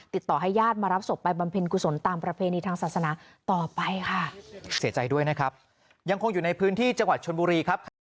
ติดต่อให้ญาติมารับศพไปบำเพ็ญกุศลตามประเภทในทางศาสนาต่อไปค่ะ